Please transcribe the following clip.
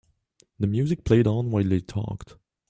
The music played on while they talked.